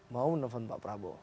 mau menemukan pak prabowo